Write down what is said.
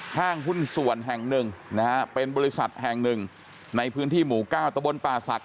ห้างหุ้นส่วนแห่งหนึ่งนะฮะเป็นบริษัทแห่งหนึ่งในพื้นที่หมู่๙ตะบนป่าศักดิ